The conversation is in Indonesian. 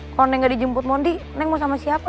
kalau neng nggak dijemput mondi neng mau sama siapa